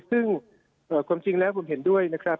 ซึ่งความจริงแล้วผมเห็นด้วยนะครับ